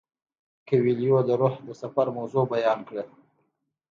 کویلیو د روح د سفر موضوع بیان کړه.